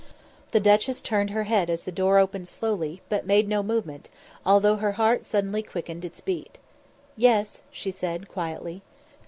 The duchess turned: her head as the door opened slowly, but made no movement, although her heart suddenly quickened its beat. "Yes?" she said quietly.